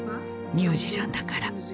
ミュージシャンだから。